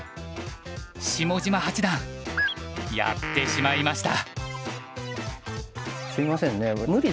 下島八段やってしまいました。